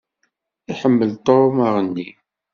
Iḥemmel Tom aɣenni.